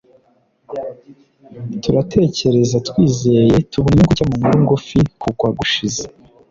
Turatekerezatwizeye Tubona inyungu nshya mu nkuru ngufi Kugwa gushize